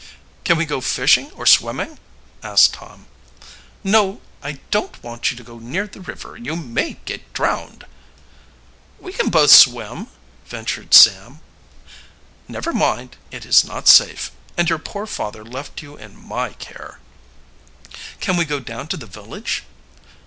"Can we go fishing or swimming?" asked Tom. "No, I don't want you to go near the river, you may get drowned." "We can both swim," ventured Sam. "Never mind it is not safe and your poor father left you in my care." "Can we go down to the village?"